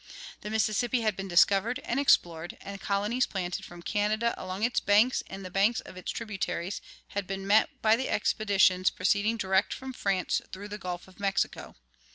The Mississippi had been discovered and explored, and the colonies planted from Canada along its banks and the banks of its tributaries had been met by the expeditions proceeding direct from France through the Gulf of Mexico.